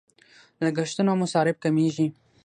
لګښتونه او مصارف کمیږي.